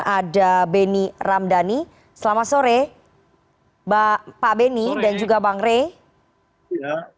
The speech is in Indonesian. ada beni ramdhani selamat sore pak beni dan juga bang rey